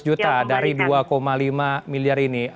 enam ratus juta dari dua lima miliar ini